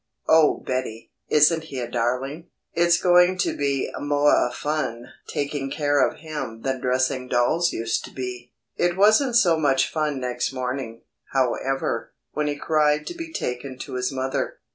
Oh, Betty! Isn't he a darling? It's going to be moah fun taking care of him than dressing dolls used to be!" It wasn't so much fun next morning, however, when he cried to be taken to his mother.